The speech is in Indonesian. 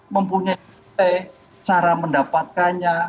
mempunyai cara mendapatkannya